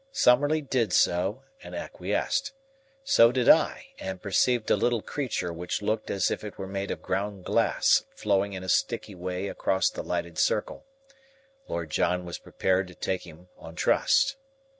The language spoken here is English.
Summerlee did so and acquiesced. So did I and perceived a little creature which looked as if it were made of ground glass flowing in a sticky way across the lighted circle. Lord John was prepared to take him on trust.